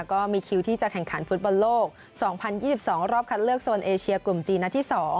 ก็มีคิวที่จะแข่งขันฟุตบอลโลก๒๐๒๒รอบคัดเลือกโซนเอเชียกลุ่มจีนนัดที่๒